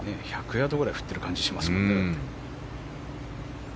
１００ヤードぐらい振ってる感じがしますね。